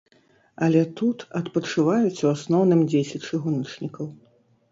Але тут адпачываюць у асноўным дзеці чыгуначнікаў.